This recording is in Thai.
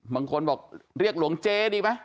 บางคนบอกเรียกหลวงเจ๊ดีไหม